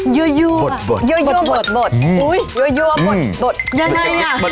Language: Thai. ยัวบดยัวบดอะอยากเบาคืออาหาร